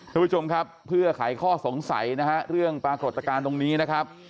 ทุกผู้ชมครับเพื่อขายข้อสงสัยนะฮะเรื่องปรากฏการณ์ตรงนี้นะครับ